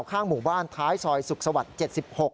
ข้างหมู่บ้านท้ายซอยสุขสวรรค์๗๖